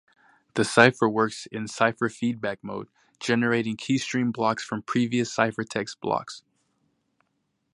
The cipher works in "cipher feedback" mode, generating keystream blocks from previous ciphertext blocks.